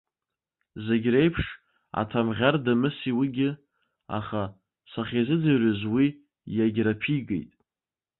Зегь реиԥш, аҭамӷьар дамыси уигьы, аха, сахьизыӡырҩыз, уи иагьраԥигеит.